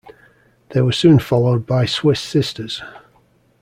They were soon followed by Swiss sisters.